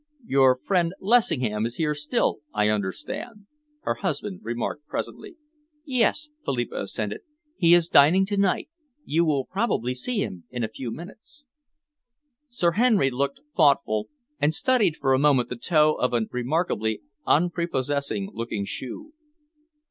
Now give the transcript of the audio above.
"Your friend Lessingham is here still, I understand?" her husband remarked presently. "Yes," Philippa assented, "he is dining to night. You will probably see him in a few minutes." Sir Henry looked thoughtful, and studied for a moment the toe of a remarkably unprepossessing looking shoe.